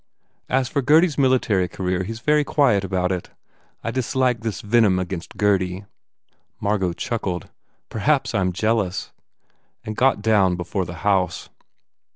As for Gurdy s military career he s very quiet about it. I dislike this venom against Gurdy." Margot chuckled, "Perhaps I m jealous," and got down before the house.